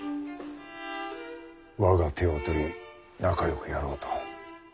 我が手を取り仲よくやろうと。